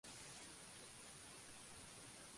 Habitualmente pulmón, corazón e hígado.